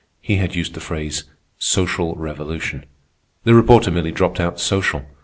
He had used the phrase "social revolution." The reporter merely dropped out "social."